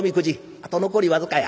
あと残り僅かや。